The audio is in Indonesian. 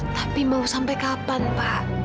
tapi mau sampai kapan pak